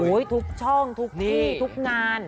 ทุกช่องทุกที่ทุกงาน